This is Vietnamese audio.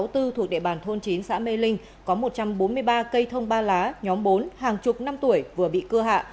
thuộc địa bàn thôn chín xã mê linh có một trăm bốn mươi ba cây thông ba lá nhóm bốn hàng chục năm tuổi vừa bị cưa hạ